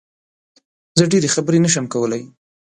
زه ډېری خبرې نه شم کولی